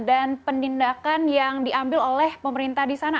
dan pendindakan yang diambil oleh pemerintah di sana